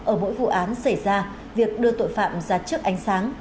ở mỗi vụ án xảy ra việc đưa tội phạm ra trước ánh sáng